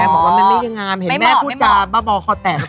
ไม่เห็นแม่พูดจาบคอแตก